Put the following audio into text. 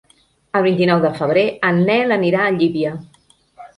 El vint-i-nou de febrer en Nel anirà a Llívia.